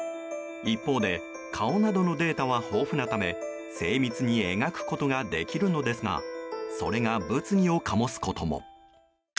一方で顔などのデータは豊富なため精密に描くことができるのですがそれが物議を醸すことも。